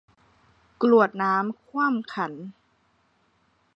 กรวดน้ำคว่ำขัน